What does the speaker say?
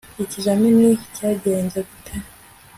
ikizamini cyagenze gute